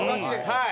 はい。